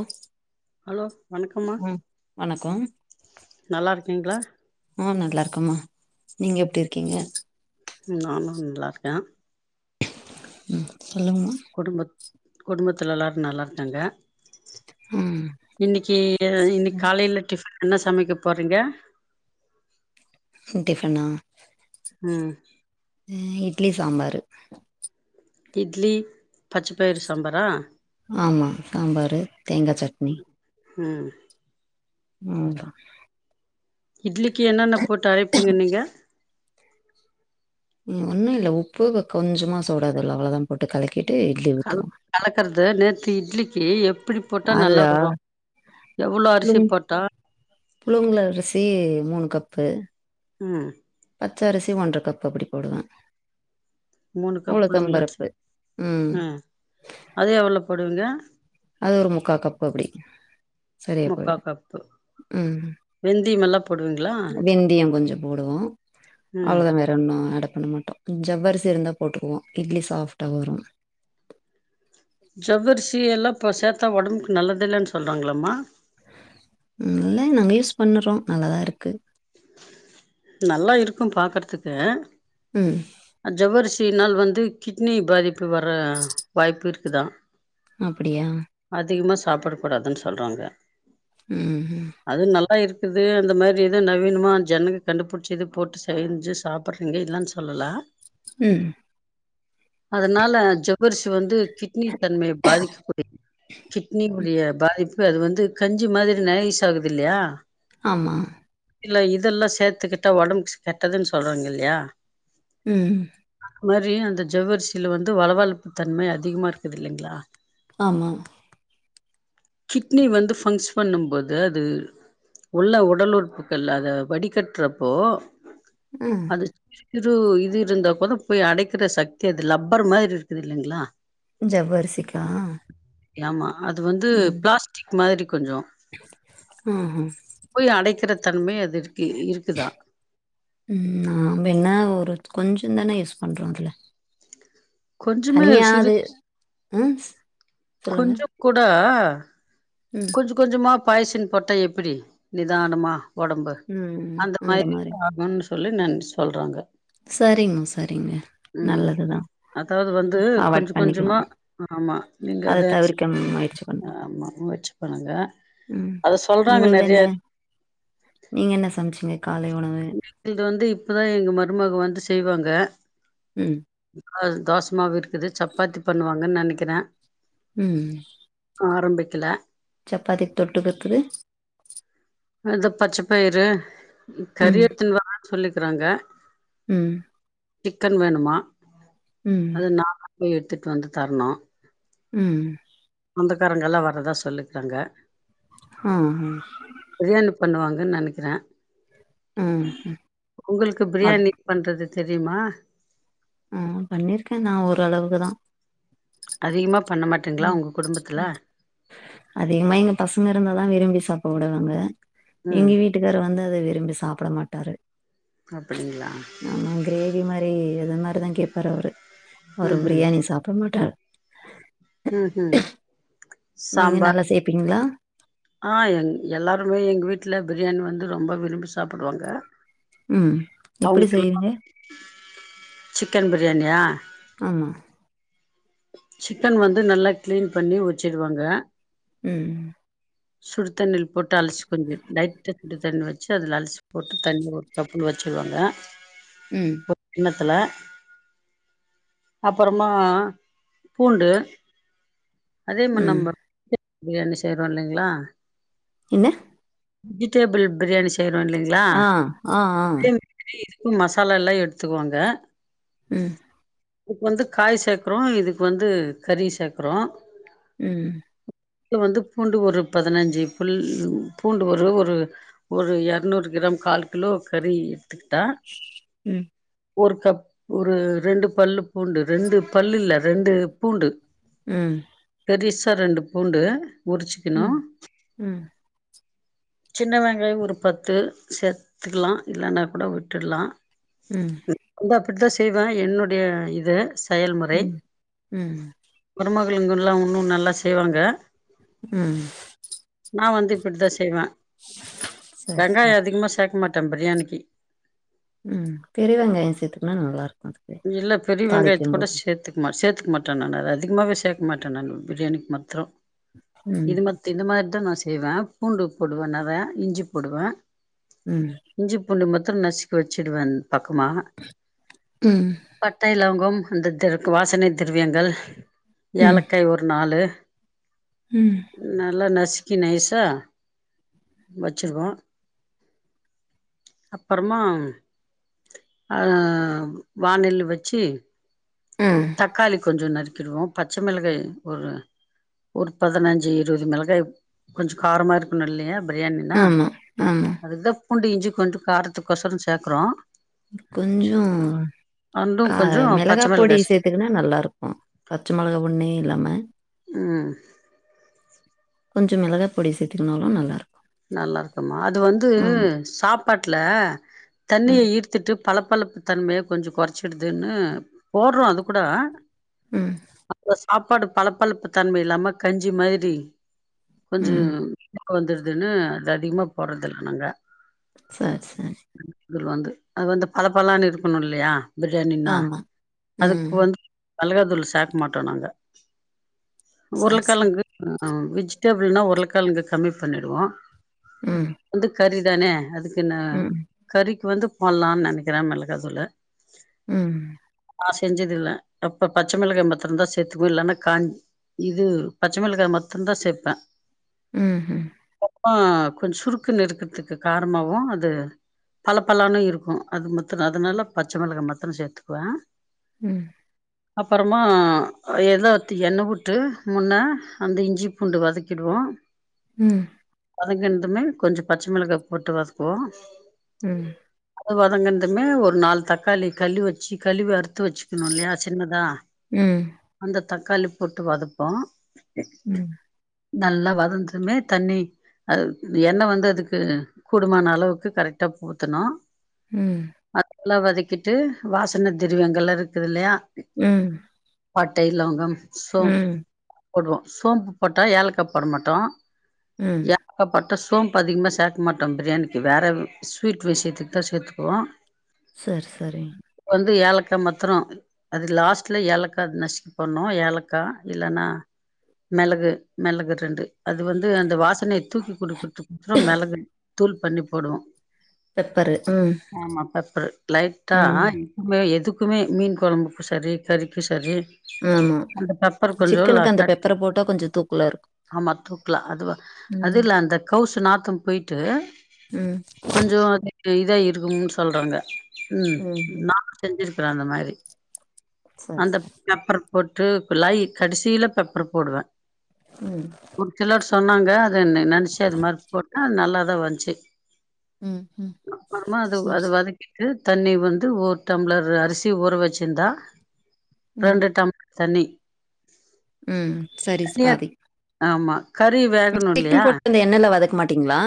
ஆ hello வணக்கம்மா வணக்கம் நல்லாருக்கீங்ளா ஆ நல்லாருக்கம்மா நீங்க எப்டி இருக்கீங்க நானு நல்லாருக்கே ம் சொல்லுங்கம்மா குடும்பத் குடும்பத்துல எல்லாரு நல்லாருக்காங்க ம் இன்னக்கி இன்னக்கு காலேல டிஃபன் என்ன சமைக்க போறீங்க டிஃபன்னா ம் இட்லி சாம்பாரு இட்லி பச்சப்பயறு சாம்பாரா ஆமா சாம்பாரு தேங்கா சட்னி ம் ம் தா இட்லிக்கி என்னன்ன போட்டு அரைப்பீங்க நீங்க ஒன்னு இல்ல உப்பு வ கொஞ்சமா சோடாதூளு அவ்ளோதா போட்டு கலக்கிட்டு இட்லி கல ஊத்துவங்க கலக்கறது நேத்து இட்லிக்கு எப்பிடி போட்டா நல்லா அதுதா வரு எவ்ளோ அரிசி புழுங் போட்டா புழுங்கல் அரிசி மூணு கப்பு ம் பச்ச அரிசி ஒன்ற கப்பு அப்டி போடுவே மூணு கப் புழுங்கல் அரிசி உளுத்தம்பருப்பு ம் அது எவளோ போடுவீங்க அது ஒரு முக்கா கப்பு அப்டி சரியா போய்ரு ம் வெந்தி மல் வெந்தியோ கொஞ்சோ போடுவோ ம் அவ்ளவு தா வே ர ஒன்னு ஆட பண்ண மாட்டோ ஜவ்வரிசி இருந்தா போட்டுக்குவோ இட்லி சாஃப்ட்டா வரு ஜவ்வரிசி எல்லா இப்ப சேத்தா ஒடம்புக்கு நல்லது இல்லன் சொல்றாங்களம்மா நல்ல நாங்க யூஸ் பண்ணுறோ நல்லாதா இருக்கு நல்லா இருக்கு பாக்கற்துக்கு ம் ஜவ்வரிசினால் வந்து கிட்னி பாதிப்பு வர வாய்ப்பு இருக்குதா அப்பிடியா அதிகமா சாப்படக் கூடாதுன் சொல்றாங்க ம் ம் அது நல்லா இருக்குது அந்த மாரி இது நவீனமா ஜனங்க கண்டுபுடிச்சு இது போட்டு செஞ்சு சாப்பற்றீங்க இல்லன் சொல்லல ம் அதனால ஜொ வ்வரிசி வந்து கிட்னி தன்மைய பாதிக்கக்கூடியது கிட்னியுடைய பாதிப்பு இப்ப அது வந்து கஞ்சி மாதிரி நைஸ் ஆகுது இல்லையா? ஆமா. இல்ல இதெல்லா சேத்துக்கிட்டா ஒடம்பு கெட்டதுன் சொல்றாங்க இல்யா ம். இந் மாரி அந்த ஜவ்வரிசில வந்து வழவழப்பு தன்மை அதிகமா இருக்குது இல்லைங்ளா ஆமா. கிட்னி வந்து ஃபங்க்ச் பண்ணும் போது அது உள்ள உடல் உறுப்பு கில்ல அத வடிகட்றப்போ ம். அது ச்கிறு இது இருந்தா கூட போய் அடைக்கிற சக்தி அது லப்பர் மாரி இருக்குது இல்லைங்ளா ஜவ்வரிசிக்கா யாமா அது வந்து பிளாஸ்டிக் மாதிரி கொஞ்சோ ம் ம். போய் அடைக்கிற தன்மை அதுர்க்கு இருக்குதா. ம் நாம்ப என்னா ஒருத் கொஞ்சந்தான யூஸ் பண்றோ அதுல. கொஞ்சமே தனியா சிறு அது ம். சொல்லுங்க. கொஞ்சக் கூட ம். கொஞ்ச கொஞ்சமா பாய்சின் போட்டா எப்பிடி நிதானமா ஒடம்பு அந்த மாரி ஆகுன் சொல்லி நான் சொல்றங்க. சரிங்மா சரிங்க ம் நல்லதுதா. அதாவது வந்து கொஞ்ச கொஞ்சமா ஆமா நீங்க அத தவிர்க்க முயற்சி பண்ணலாம். [inaudible] ஆமா வச்சு பண்ணுங்க ம். அத சொல்றாங்க உங்களுது நறிய என்ன? நீங்க என்ன சம்ச்சீங்க காலை உணவு? ங்குள்து வந்து இப்பதா எங்க மருமக வந்து செய்வாங்க. ம். அது தோசமாவு இருக்குது சப்பாத்தி பண்ணுவாங்கன் நெனைக்கறே. ம். ஆரம்பிக்கல. சப்பாத்திக் தொட்டுக்குர்துக்கு அதா பச்ச பயிரு கறி ம், எட்த்துன் வரன் சொல்லிக்கறாங்க. ம். சிக்கன் வேணுமா ம், அது நாங்க போயி எடுத்துட் வந்து தரணு. ம். சொந்தக்காரங்க எல்லா வரதா சொல்லிக்காங்க. ம் ம். பிரியாணி பண்ணுவாங்கன் நெனக்கிறே. ஆ. ம். உங்குளுக்கு மத் பிரியாணி பண்றது தெரிமா? ம் பண்ணிருக்கே நா ஒரளவுக்குதா. அதிகமா பண்ண மாட்டிங்களா ம், உங்க குடும்பத்துல? ம். அதிகமா எங்க பசங்க இருந்தாதா விரும்பி சாப்ப உடுவாங்க எங்க ம் வீட் டுக்காரு வந்து அத விரும்பி சாப்பட மாட்டாரு. அப்படிங்ளா? ஆமா கிரேவி மாரி இது மாரிதா கேப்பாரு அவுரு. அவுரு ம் ம் பிரியாணி சாப்ட மாட்டாரு. ம் ம் நீங்க சாம்பார் நல்லா சேப்பீங்களா ஆ எல்லாருமே எங்க வீட்ல பிரியாணி வந்து ரொம்ப விரும்பி சாப்டுவாங்க ம் எப்படி அவங்களுக்கெல்லா செய்வீங்க சிக்கன் பிரியாணியா ஆமா சிக்கன் வந்து நல்லா கிளீன் பண்ணி வச்சிடுவாங்க ம் சுடு தண்ணியில போட்டு அலசி கொஞ்ச லைட்டா சுடு தண்ணி வச் சு அதுல அலசி போட்டு தண்ணி ஒரு கப்புல வச்சுருவாங்க ம், கிண்ணத்துல அப்பறமா பூண்டு அதே மாரி ம். நம்ப பிரியாணி செய்றோ இல்லைங்களா என்ன வெஜிடேபிள் பிரியாணி செய்றோ இல்லைங்களா ஆ, ஆ, ஆ. அ இதுக்கு மசாலால்லா எடுத்துக்குவாங்க ம் இதுக்கு வந்து காய் சேக்குறோ இதுக்கு வந்து கறி சேக்குறோ ம் இதுல வந்து பூண்டு ஒரு பதினஞ்சு புல் பூண்டு ஒரு ஒரு ஒரு எரநூறு கிராம் கால் கிலோ கறி எடுத்துக்கிட்டா ம் ஒரு கப் ஒரு ரெண்டு பல்லு பூண்டு ரெண்டு பல்லு இல்ல ரெண்டு பூண்டு ம் பெரிசா ரெண்டு பூண்டு உரிச்சுக்குணு ம் ம் சின்ன வெங்காய ஒரு பத்து சேத் துக்கலா இல்லன்னா கூட விட்டுட்லா ம் வந்து அப்படிதா செய்வ என்னுடைய இது செயல்முறை ம் ம் மருமகளுங்கலா உன்னு நல்லா செய்வாங்க ம் நா வந்து இப்படிதா செய்வ சரி சரி வெங்காயோ அதிகமா சேக்க மாட் டம் பிரியாணிக்கி ம் பெரிய வெங்காய சேத்துக்குன்னா நல்லாருக்கு இல்ல பெரிய வெங்காயத்து கூட சேத் துக்க மாட் சேத்துக்க மாட்ட நானு அது அதிகமாவே சேக்க மாட்ட நானு பிரியாணிக்கு மாத்திரோ ம் இது மாத் இந்த மாரி தா நா செய்வ பூண்டு போடுவ நெற இஞ்சி போடுவ ம் இஞ்சி பூண்டு மாத்திரோ நசுக்கி வச்சுடுவ அந் பக்கமா ம் பட்டை இலவங்கம் அந்த திர வாசனை திரவியங்கள் ம் ஏலக்காய் ஒரு நாலு ம் நல்லா நசுக்கி நைஸா வச்சுருவோ அப்பறமா அ வாணில்லு வச்சி ம் தக்காளி கொஞ்சோ நறுக்கிடுவோ பச்ச மெளகாய் ஒரு ஒரு பதினஞ்சு இருவது மெளகாய கொஞ்சு காரமா இருக்குணு இல்லயா பிரியாணினா ஆமா ஆமா அதுக்குதா பூண்டு இஞ்சி கொஞ்சு காரத்துக்கோசரோ சேக்குறோ கொஞ்சோ அண்டு கா கொஞ்சோ பச்ச மெளகா பொடி மிளகா சேத் துகுனா நல்லா இருக்கு பச்ச மெளகா ஒன்னே இல்லாம ம் கொஞ்சோ மெளகா பொடி சேத்துகுனாலு நல்லாருக் நல்லா இருக்குமா அது வந்து சாப்பாட்ல தண்ணிய ம் ஈர்த த்துட்டு பளப்பளப்பு தன்மைய கொஞ்சு கொறச்சிர்துன்னு போட்றோ அது கூட ம் ஒ சாப்பாடு பளப்பளப்பு தன்ம இல்லாம கஞ்சி மாத்ரி கொஞ்சோ ம் புளிப்பா வந்துர்துன்னு அது அதிகமா போட்றதில்ல நாங்க சர் சரி வந்து அது வந்து பளபளன் இருக்குணு இல்லயா பிரியாணினா ஆமா அதுக்கு ம் வந் மெளகாதூள் சேக்க மாட்டோ நாங்க சரி சரி உருளகெழங்கு அ வெஜிடபிள்னா உருள கெழங்க கம்மி பண்ணிடுவோ ம் இது கறிதானே அதுக்கு நா ம் கறிக்கு வந்து போட்லா நெனைக்கிறே மெளகாதூளு ம் நா செஞ்சது இல்ல அப்ப பச்ச மெளகா மத்துர்ந்தா சேத்துக்குவ இல்லனா காஞ் இது பச்ச மெளகாய் மத்துர்ந்தா சேப்ப ம் ஹும் ஆ கொஞ் சுருக்குனு இருக்கற்துக்கு கார்ணமு அது பளபளன்னு இருக்கு அது மத்துரு அதுனால பச்ச மெளகா மத்ரு சேத்துக்குவ ம் அப்பறமா எத ஒத்தி எண்ண உட்டு முன்ன அந்த இஞ்சி பூண்டு வதக்கிடுவோ ம் வதங்கன்துமே கொஞ்சு பச்ச மெளகா போட்டு வதக்குவோ ம் அது வதங்கன்துமே ஒரு நால் தக்காளி கழுவ் வச்சு கழுவி அறுத்து வச்சுக்குணு இல்லயா சின்னதா ம் அந்த தக்காளி போட்டு வதப்போ ம் நல்லா வதந்துமே தண்ணி அ எண்ண வந்து அதுக்கு கூடுமான அளவுக்கு கரெட்டா ஊத்தணு ம் அதெல்லா வதக்கிட்டு வாசன திருவியங்கல்லா இருக்குது இல்லயா ம். பட்டை லவங்கம் சோம் ம். போடுவோ சோம்பு போட்டா ஏலகாய் போட மாட்டோ ம். ஏலக்கா போட்டா சோம்ப் அதிகுமா சேக்க மாட்டோ பிரியாணிக்கு வேறவ் ஸ்வீட் விஷயத்துக்குதா சேத்துக்குவோ சர் சரி வந்து ஏலக்கா மத்துரு அது லாஸ்ட்ல ஏலக்கா நசிக்கு போட்னு ஏலக்கா இல்லனா மெளகு மெளகு ரெண்டு அதுவ து அந்த வாசனைய தூக்கி குடுக்கறதுக்கு அப்பொறம் மெளகு தூள் பண்ணி போடுவோ பெப்பரு. ம். ஆமா பெப்பரு லைட்டா ம். வே எதுக்குமே மீன் கொழம்புக்கு சரி கறிக்கு சரி ஆமா. அந்த பெப்பர் கொஞ்ச சிக்கனுக்கு அந்த லாட்ட பெப்பர போட்டா கொஞ்சம் தூக்கலா இருக்கும். ஆமா தூ அதுவா ம். அதுல அந்த கௌச்சி நாத்தம் போயிட்டு ம். கொஞ்ச அது இதாயிருக்கும்னு சொல்றாங்க ம் ம்ஹ்ம். செஞ்சிருக்கிற அந்த மாரி சரி, அந்த சரி. பெப்பர் போட்டு புள்ளாயி கடைசீல பெப்பர் போடுவே ம் ஒரு சிலர் சொன்னாங்க அது நெனைச்சே அது மாரி போட்ட நல்லாதா வந்துச்சு ம். ம். அப்றம்மா அது சரி, அது சரி. வதக் ட்டு தண்ணி வந்து ஒரு டம்ளர் அரிசி ஊற வச்சிருந்தா ம். ரெண்டு டம் தண்ணி ம் சரிஸ் தனியா பாதி ஆமா கறி வேகணு சிக்கன் இல்லையா போட்டு அந்த எண்ணெய்ல வதக்க மாட்டீங்களா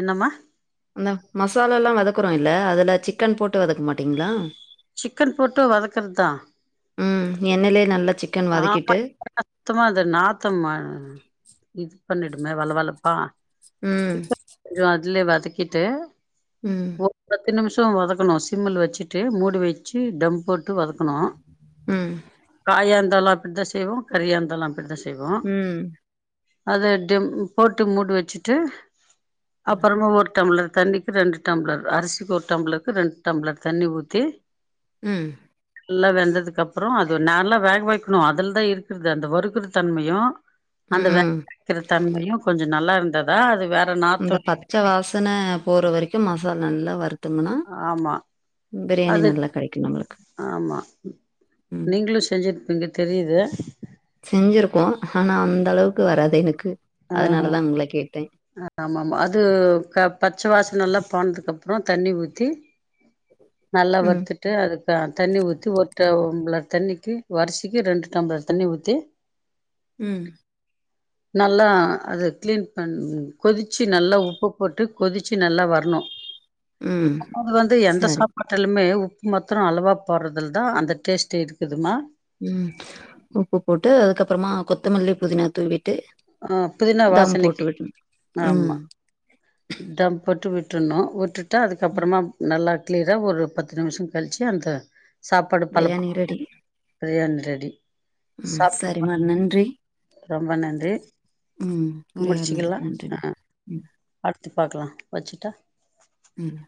என்னம்மா ந்த மசாலால்லா வதக்குறோ இல்ல அதுல சிக்கன் போட்டு வதக்க மாட்டீங்களா சிக்கன் போட்டு வதக்றதுதா ம் எண்ணையிலே நல்லா சிக்கன் ஆமா வதக்கிட்டு சுத்தமா அ நாத்தம் ஆ இது பண்ணிடுமே வள வளப்பா ம் கொஞ்சோ அதுலே வதக்கிட்டு ம் ஒரு பத்து நிமிஷ வதக்கணு சிம்மில் வச்சுட்டு மூடி வச்சு டம்ப் போட்டு வதக்கணு ம் காயா இருந்தாலு அப்டிதா செய்வோ கறியா இருந்தாலு அப்டிதா செய்வோ ம். அத டம் போட்டு மூடி வச்சுட்டு அப்பறமா ஒரு டம்ளர் தண்ணி ரெண்டு டம்ளர் அரிசிக்கு ஒரு டம்ளருக்கு ரெண்டு டம்ளர் தண்ணி ஊத்தி ம் ஃபுல்லா வெந்ததுக்கு அப்றோ அது நல்லா வேகவைக் கனு அதுல தா இருக்குறது அந்த வருக்குற தன்மையு அந்த வே ம். [inaudible] வக்கிற தன்மையு கொஞ்சோ நல்லா இருந்ததா அது வேற நாத்தோ அந்த பச்ச வாசன போற வரைக்கு மசால் நல்லா வருத்தம்னா ஆமா பிரியாணி அது நல்லா கெடைக்கு நம்மளுக்கு ஆமா ம் நீங்களு செஞ்சிருப்பீங்க தெரியுது செஞ்சுருக்கோ ஆனா அந்தளவுக்கு வராது எனக்கு ஆ அதனால தா உங்கள கேட்டே ஆமாமா அது க பச்ச வாசன எல்லா போனதுக்கப்றோ தண்ணி ஊத்தி நல்லா ம் வர்த்துட் டு அதுக்கு தண்ணி ஊத்தி ஒரு டம்ளர் தண்ணிக்கு வரிசிக்கு ரெண்டு டம்ளர் தண்ணி ஊத்தி ம் நல்லா அத கிளீன் பண் கொதிச்சு நல்லா உப்பு போட்டு கொதிச்சு நல்லா வரணு ம் அதாவது வந்து எந்த சரி சாப்பாடு ஆட்டலுமே உப்பு மாத்தரோ அளவா போடுறதில தா அந்த டேஸ்ட்டே இருக்குதுமா ம் உப்பு போட்டு அதுக்கப்பறமா கொத்தமல்லி புதினா தூவிட்டு ஆ புதினா தம் வாசனைக்கு போட்டுவிடனு ம் ஆமா தம் போட்டு விட்டுறணு விட்டுட்டா ம் அதுக்கப்றோமா நல்லா கிளீயரா ஒரு பத்து நிமிஷோ கழிச்சு அந்த சாப்பாடு பல பிரியாணி பலன்னு ரெடி ப்ரியாணி ரெடி ம் சாப்ட்டு சரிம்மா பாருங்க நன்றி ரொம்ப நன்றி ம் முடிச்சுக்கலா உரையாடுனதுக்கு நன்றி ஆ மா ம் அடுத்து பாக்குலா வச்சுட்டா ம்